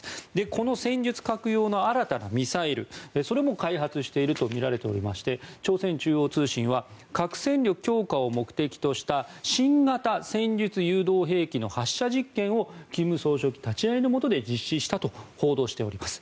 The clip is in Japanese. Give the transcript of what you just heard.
この戦術核用の新たなミサイルそれも開発しているとみられておりまして朝鮮中央通信は核兵器強化を目的とした新型戦術誘導兵器の発射実験を金総書記立ち会いのもとで実施したと報道しております。